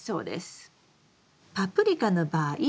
パプリカの場合